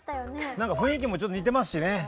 何か雰囲気もちょっと似てますしね。